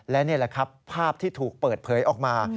และนี่แหละครับภาพที่ถูกเปิดเผยออกมา